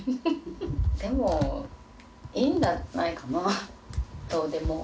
でも、いいんじゃないかな、どうでも。